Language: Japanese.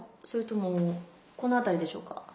それともこの辺りでしょうか？